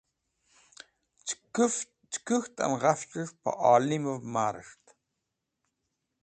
Cẽ kũk̃htẽn ghafchẽs̃h pẽ olimv marz̃hd.